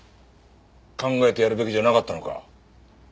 考えてやるべきじゃなかったのか？